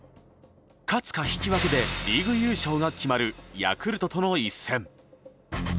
勝つか引き分けでリーグ優勝が決まるヤクルトとの一戦。